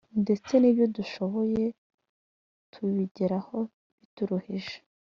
ndetse n’ibyo dushoboye tubigeraho bituruhije,